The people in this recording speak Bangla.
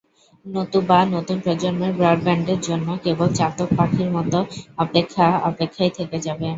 নতুবা নতুন প্রজন্মের ব্রডব্যান্ডের জন্য কেবল চাতক পাখির মতো অপেক্ষা অপেক্ষাই থেকে যাবে।